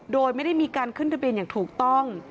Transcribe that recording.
โดยไม่ได้มีการขึ้นทะเบียนอย่างถูกต้อง